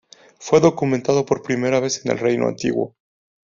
Fue documentado por primera vez en el Reino Antiguo.